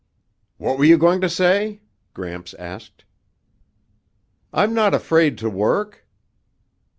"What were you going to say?" Gramps asked. "I'm not afraid to work."